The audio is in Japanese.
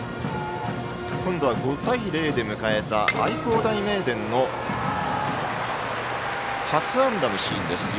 今度は５対０で迎えた愛工大名電の初安打のシーンです。